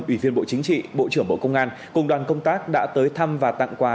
ủy viên bộ chính trị bộ trưởng bộ công an cùng đoàn công tác đã tới thăm và tặng quà